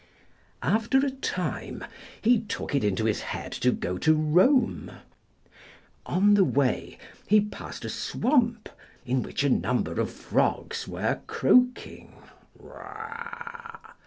After a time, he took it into his head to go to Rome. On the way he passed a swamp, in which a number of Frogs were croaking.